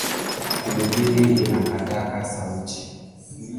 Pilipili inakataka sauti